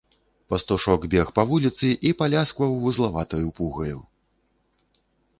Пастушок бег па вуліцы і паляскваў вузлаватаю пугаю.